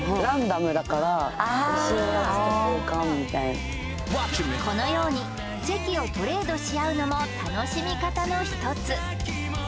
あこのようにチェキをトレードしあうのも楽しみ方の一つ